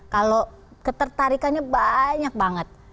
kalau ketertarikannya banyak banget